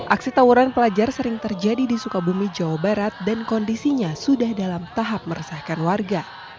aksi tawuran pelajar sering terjadi di sukabumi jawa barat dan kondisinya sudah dalam tahap meresahkan warga